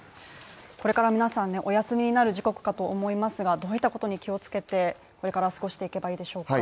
これから皆さんのお休みになる時刻かと思いますがどういったことに気をつけて、これから過ごしていけばいいでしょうか？